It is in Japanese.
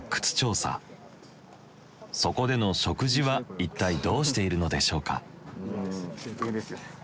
そこでの食事は一体どうしているのでしょうか？